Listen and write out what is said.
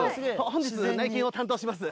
本日内見を担当します